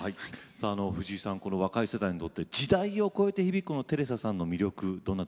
藤井さん若い世代にとって時代を超えて響くテレサさんの魅力どんなとこでしょう。